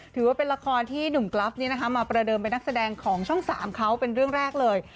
ถือว่าเป็นละครที่หนุ่มกราฟมาประเดิมเป็นนักแสดงของช่อง๓เขาเป็นเรื่องแรกเลย